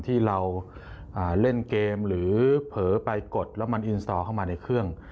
ที่เราเล่นเกมหรือเผลอไปกดแล้วมันอินสตอเข้ามาในเครื่อง